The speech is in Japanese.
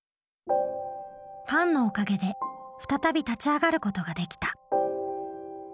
ファンのおかげで再び立ち上がることができた。